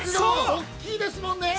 ◆大きいですもんね。